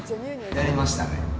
やりましたね。